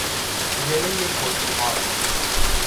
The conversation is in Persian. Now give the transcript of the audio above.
ژلهی پرتقال